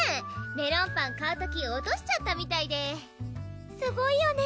メロンパン買う時落としちゃったみたいですごいよね